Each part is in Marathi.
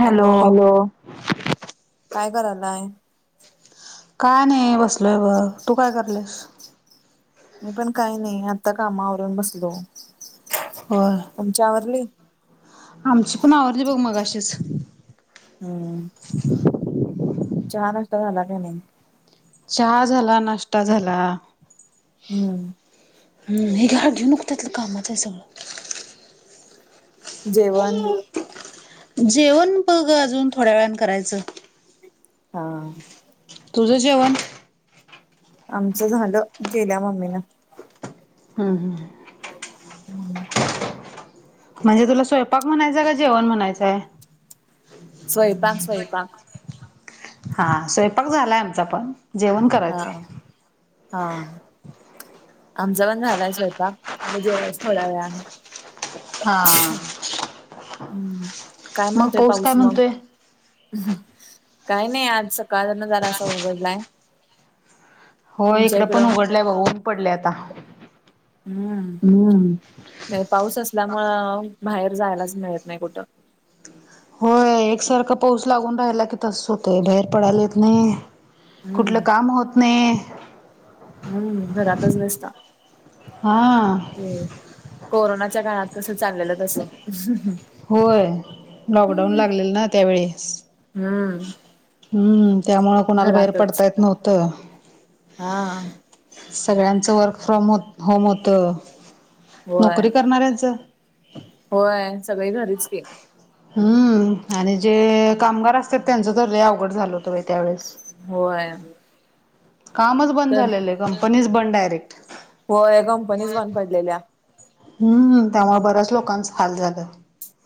हॅलो. हॅलो. काय करायलाय? काय नाय बसलोय बघ, तू काय करायल्यास? मी पण काही नाही, आत्ता काम आवरून बसलो. होय. तुमची आवरली? आमचीपण आवरली बघ मघाशीच. हम्म. चहा, नाष्टा झाला का नाही? चहा झाला, नाष्टा झाला. हम्म हुंम हे घ्या घेऊ नको तिथलं कामाचं ये सगळं जेवण जेवण बघ अजून थोड्या वेळानं करायचं. हा. तुझं जेवण? आमचं झालं दिल्या मम्मीनं. हम्म. हम्म. म्हणजे तुला स्वयंपाक म्हणायचं हाय काय, जेवण म्हणायचं हाय? स्वयंपाक स्वयंपाक हा स्वयंपाक झालाय आमचापण, जेवण हा करायचंय हा. आमचा पण झालाय स्वयंपाक, आम्ही जेवायचं थोड्या वेळानं. हा हा. हम्म, काय मग म्हणतोय काय पाऊस मग? म्हणतोय हु हु काय नाय आज सकाळ धरण जरास उघडलाय होय तुमच्या हिकडं पण इकडं उघडलाय बघ, ऊन पडलंय आता. हम्म हम्म. नाही, पाऊस असल्यामुळ बाहेर जायलाच मिळत नाही कुठं. होय एक सारखा पाऊस लागून राहिला की तसंच होतंय बाहेर पडायला येत नाही. कुठलं हम्म काम होत नाही हम्म घरातच बसा. हा. ते कोरोनाच्या काळात कस चाललेलं तसं हु होय, लॉक डाऊन लागलेलं ना त्यावेळी. हा. हम्म, त्यामुळं कुणाला बाहेर पडता येत नव्हतं. हा. सगळ्यांचं वर्क फ्रॉम होम होत होम होतं. होय नोकरी करणारऱ्याच होय सगळी घरीच की. हम्म आणि जे कामगार असतात त्यांचं तर लय अवघड झाल होत बाई त्यावेेळेस. होय. कामच बंद तर झालेलं आहे, कंपनीच बंद डायरेक्ट. होय कंपनीच बंद पडलेल्या. हम्म, त्यामुळे बऱ्याच लोकांच हाल झालं.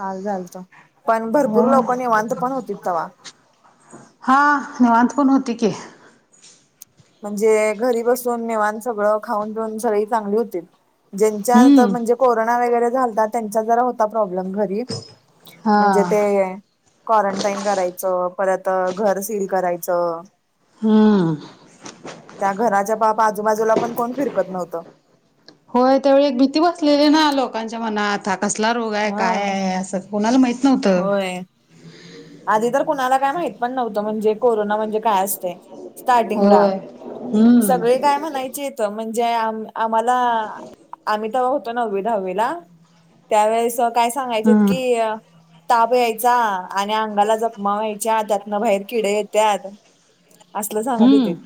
हाल झालत, पण भरपूर लोक निवांत पण होती तवा. हा निवांत पण होती की. म्हणजे घरी बसून निवांत सगळं खाऊन पिऊन सगळी चांगली होतीत. ज्यांच्या आता हम्म म्हणजे कोरोना वगैरे झालता त्यांचा जरा होता प्रॉब्लेम. घर हा म्हणजे ते क्वारंटाईन करायचं, परत घर सील करायचं. हम्म. त्या घराच्या पाप आजूबाजूला पण कोण फिरकत नव्हतं. होय त्यावेळी एक भीती बसलेली ना लोकांच्या मनात. हा कसला रोग आहे, काय हा. आहे असं. कुणाला माहित नव्हतं. होय आधी तर कुणाला काय माहित पण नव्हतं म्हणजे कोरोना म्हणजे काय असतंय. स्टार्टिंगला होय हम्म सगळी काय म्हणायचीत म्हणजे आम आम्हाला आम्ही तवा हो होतो नववी, दहावीला. त्यावेेळेस काय सांगायचेत हम्म की ताप यायचा आणि अंगाला जखमा व्हायच्या, त्यातनं बाहेर किडे येत्यात. असलं सांगत हम्म होतीत.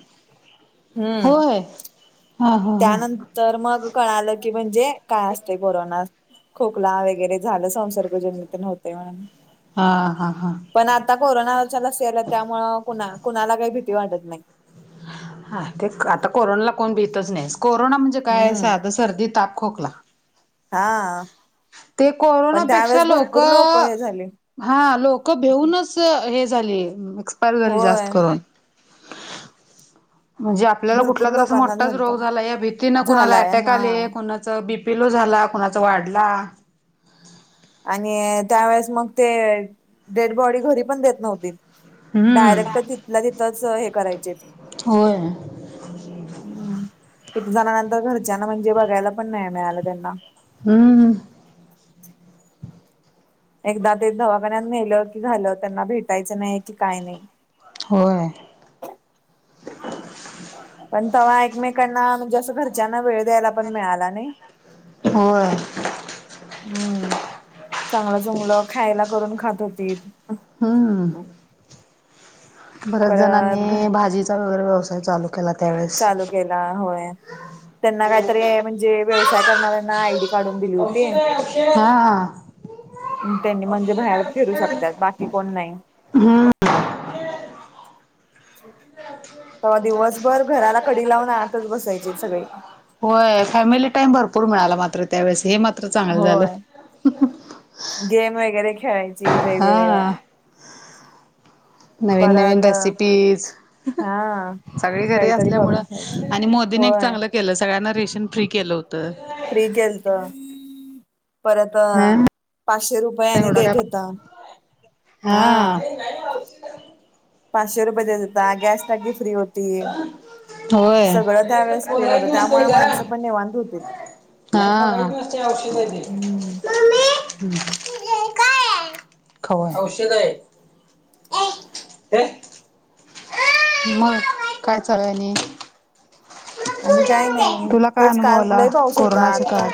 हम्म. होय हा हा हा त्यानंत तर मग कळालं की म्हणजे काय असते कोरोना. खोकला वगैरे झालं संसर्ग जन्य तेन होतंय म्हणून. हा हा हा. पण आता कोरोनाच्या लसी आल्यात, त्यामुळं कुणा-कुणाला काय भीती वाटत नाही. हा ते आता कोरोनाला कोण भीतच नाही. कोरोना म्हणजे काय हम्म साधं सर्दी, ताप, खोकला. हा. ते पण कोरोनापेक्षा त्यावेेळेस लोक, भरपूर हे झाले. हा लोक भेऊनच ते हे झाली एक्सपायर झाली जास्त होय करून. म्हणजे आपल्याला भरपूर कुठला तर असा लोकांना मोठाचं झालत रोग झाला या भीतीनं कुणाला झालाय अटॅक हा. आले, कुणा बीपी लो झाला कुणाचा वाढला. आणि त्यावेळेस मग ते, डेड बॉडी घरी पण देत नव्हतीत. हम्म डायरेक्ट तिथल्या तिथंच हे करायचेत होय हम्म. किती जणांना तर घरच्यांना म्हणजे बघायला पण नाही मिळालं त्यांना. हम्म. एकदा ते दवाखान्यात नेलं की झालं, त्यांना भेटायचं नाही की काय नाही. होय. पण तवा एकमेकांना म्हणजे असं घरच्यांना वेळ [unintelligible] पण मिळाला नाही. होय हम्म. चांगलं चुंगलं खायला करून खात होतीत. हम्म. बऱ्याच परत जणांनी भाजीचा वगैरे व्यवसाय चालू केला त्यावेळेस. का होय. त्यांना काय तरी म्हणजे व्यवसाय करणाऱ्यांना आयडीच हा. त्यांनी म्हणजे बाहेर फिरू शकतात बाकी कोण नाही. हम्म. [unintelligible] तेव्हा दिवसभर घराला कडी लावून आतच बसायचे सगळे होय, फॅमिली टाईम भरपूर मिळाला मात्र त्यावेळेस हे मा होय, गेम वगैरे खेळायची वेगवेगळया. हा नवीन नवीन परत रेसिपीज. हा सगळे घरी काहीतरी करून खायचं असल्यामुळं आणि मोदीने एक होय चांगलं केलं सगळ्यांना रेशन फ्री केलं होत. फ्री केलंत. परत हा पाचशे रुपयाने आणी एवढा काय देत होता, हा. नाही ग हाउस. पाचशे रुपये देत होता गॅस टाकी फ्री होती. होय सगळ त्यावेेळेस फ्री होतं, त्यामुळे माणसं पण निवांत होते. हा. हम्म मम्मी हे काय? खाऊ औषध आहे. मग काय चालाय नि? आणि काही नाही तुला काय तेच अनुभव काल आला? लय पाऊस होता कोरोनाचा आता काळ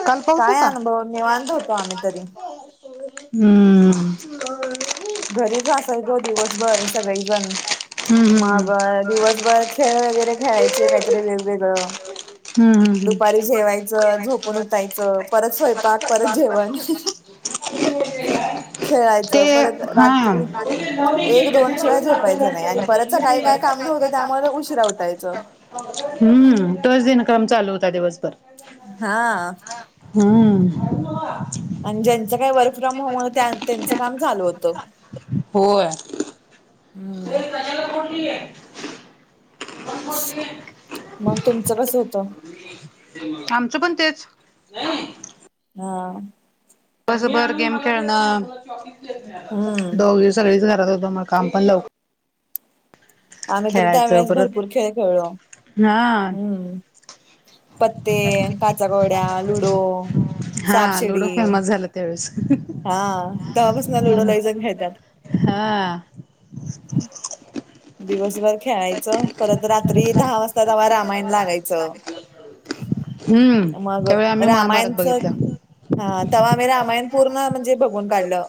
आम काय अनुभव निवांत होतो आम्ही घरी. हम्म. [unintelligible] घरीच असायचो दिवसभर सगळे जण हम्म मग दिवसभर खेळ वगैरे खेळायचे काहीतरी वेगवेगळं. हम्म हम्म हम्म हम्म दुपारी जेवायचं, झोपून उठायचं, परत स्वयंपाक परत जेवण हीहीही. ते खेळायचं परत हा रात्री एक दोन शिवाय झोपायच नाही आणि परत सकाळी काय काम नव्हतं त्यामुळे उशीरा उठ उठायचं. हम्म तोच दिनक्रम चालू होता दिवसभर. हा. हम्म. आणि ज्यांचं काय वर्क फ्रॉम होम हो त्यांचं काम चालू होतं. होय. हम्म. त्याला कोठली आहे. मग तुमचं कसं होतं [unintelligible] आमचं पण तेच. हा. दिवसभर गेम खेळणं, हम्म दोघ सगळीच घरात होत मग काम पण लव आम्ही तर खेळायचं त्यावेेळेस परत भरपूर खेळ खेळलो, हा हम्म. पत्ते, काचाकवड्या, लुडो, सापशिडी. ते फेमस झालं त्यावेळेस. हा तेव्हा पासन लुडो लईजन खेळतात. हा. दिवसभर खेळायचं, परत रात्री दहा वाजता तेव्हा रामायण लागायचं. हम्म मग त्यावेळी आम्ही महाभारत रामायणच. बघितलं हा तवा आम्ही रामायण पूर्ण म्हणजे बघून काढलं.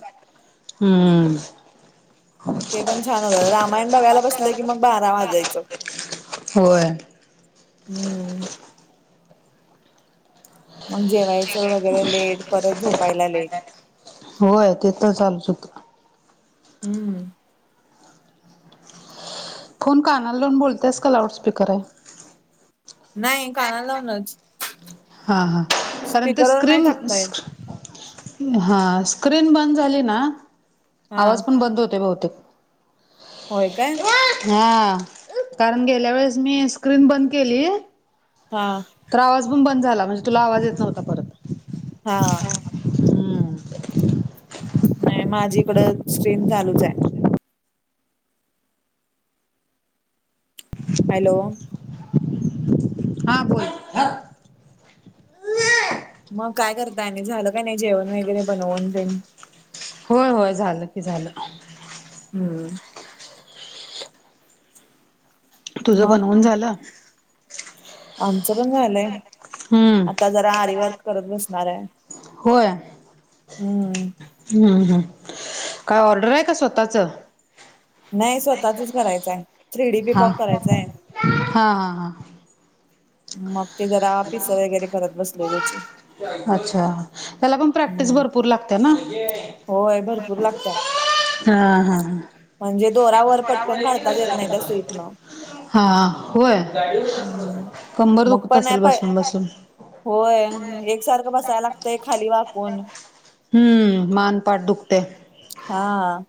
हम्म ते पण छान होत रामायण. बघायला बसलं की मग बारा वाजायचं, होय हम्म. मग जेवायचं वगैरे लेट परत झोपायला लेट. होय ते तर चालु शकतंय. हम्म. फोन कानाला लावून बोलत आहेस का लाऊडस्पीकर आहे. नाही कानाला लावूनच. हां हां कारण ते स्पीकरवर नाही स्क्रीम टाकता येत स् हा, स्क्रीन बंद झाली ना. हा आवाज पण बंद होतोय बहुतेक. होय काय. हा कारण गेल्या वेळेस मी स्क्रीन बंद केली. हा. तर आवाज पण बंद झाला म्हणजे तुला आवाज येत नव्हता परत. हा. हम्म नाही माझी ईकडं स्क्रीन चालूच आहे. हॅलो. हा बोल. मग, काय करताय झालं काय नाही जेवण वगैरे बनवून तेन होय होय झालं की झालं. हम्म. तुझं मग बनवून झालं. आमचं पण झालंय. हम्म आता जरा आरीवर्क करत बसणार आहे हम्म. हम हम काय ऑर्डर आहे का स्वतःचं. नाही स्वतःचच करायचंय थ्री डी हा पीकॉक हा करायचाय. हा हा. मग ते जरा पीसं वगैरे करत बसले त्याची. अच्छा त्याला पण प्रॅक्टिस हम्म भरपूर लागते ना. होय भरपूर लागत्या हा हा ह. म्हणजे दोरावर पटकन काढताच येत नाही त्या सुईतनं हा. होय, हम्म कंबर मग दुख पण नाही प होय एकसारखं बसाय लागतय खाली वाकून हम्म. मान, पाठ दुखत्या. हा.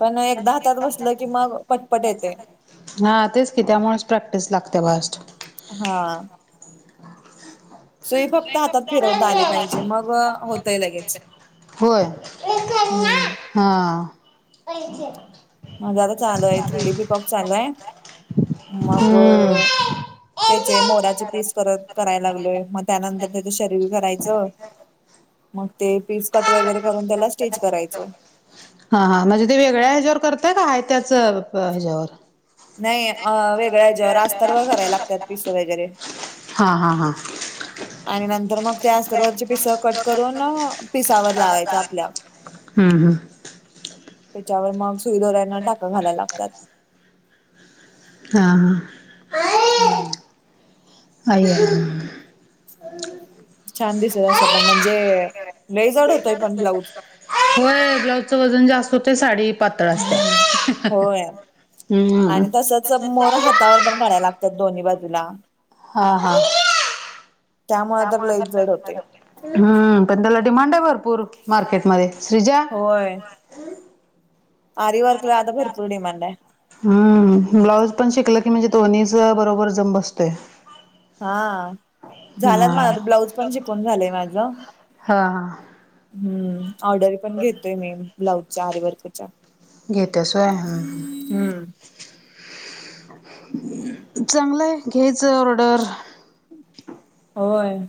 पण एकदा हातात बसलं की मग पटपट येतय. हा तेच की त्यामुळेच प्रॅक्टिस लागते फास्ट. हा. सुई फक्त हातात फिरवता आली पाहिजे मग होतय लगेच. होय. हम्म हा. माझं आता चालूय थ्री डी पिकॉक चालूय मग हम्म. त्याचे मोराचे पीस परत करायला लागलोय मग त्यानंतर त्याचं शरीर करायचं. मग ते पीसकट वगैरे करून त्याला स्टिच करायचं. हा हां म्हणजे ते वेगळ्या ह्याच्यावर करताय का आहे त्याच ह्याच्यावर. नाही अ वेगळ्या ह्याच्यावर आस्तर वर करायला लागतात पिसें वगैरे. हां हां हां. आणि नंतर मग त्या अस्तरवरची पिस कट करून पिसावर लावायचं आपल्या. हमं. हमं. त्याच्यावर मग सुई दोऱ्याने टाका घालायला लागतात. हा हा. हम्म. अय्या. छान दिसत अस पण म्हणजे, लई जड होतोय पण ब्लाऊज होय ब्लाऊजचं वजन जास्त होते साडी पातळ हम्म असतेय होय हंम्म. त्यावर पण कराय लागत्यात दोन्ही बाजूला. हा हा. त्यामुळे तर लईच जड होतय. हम् पण त्याला डिमांड आहे भरपूर मार्केटमध्ये सृजा. होय. आरीवर्कला आत्ता भरपूर डिमांड आहे. हां.. ब्लाउज पण शिकल की, म्हणजे दोन्हीचा बरोबर जम बसतोय. हा.. झाल्यात हा माझं, ब्लाऊज पण शिकून झालंय माझं. हा हा. हं ऑर्डर पण घेतोय मी ब्लाउजचा आरीवर्कचा. घेत्यास होय. हम. चांगलं हाय घेच ऑर्डर. होय.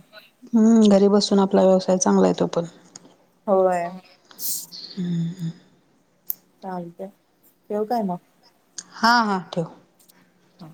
हं घरी बसून आपला व्यवसाय चांगला आहे तो पण. होय. हम्म हम्म. चालतंय ठेवू काय मग. हा हा ठेव. हा.